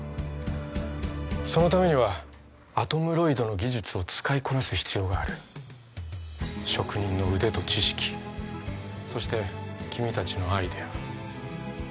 そのためにはアトムロイドの技術を使いこなす必要がある職人の腕と知識そして君たちのアイデア